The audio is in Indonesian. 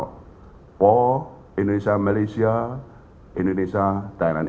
oh indonesia malaysia indonesia thailand